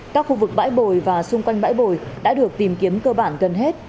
các khu vực bãi bồi và xung quanh bãi bồi đã được tìm kiếm cơ bản gần hết